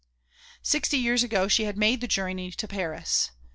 Sixty years ago she had made the journey to Paris.